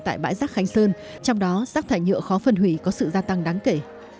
tại bãi rác khánh sơn trong đó rác thải nhựa khó phân hủy có sự gia tăng đáng kể